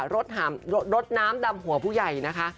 รถน้ำดำหัวผู้ใหญ่นะคะ